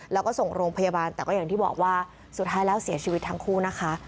แล้วก็ส่งโรงพยาบาลแต่ก็อย่างที่บอกว่าสุดท้ายแล้วเสียชีวิตทั้งคู่นะคะ